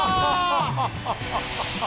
ハハハハハ。